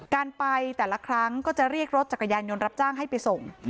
การไปแต่ละครั้งก็จะเรียกรถจักรยานยนต์รับจ้างให้ไปส่ง